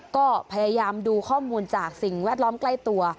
ก็พยายามดูข้อมูลจากสิ่งแวดล้อมใกล้ตัว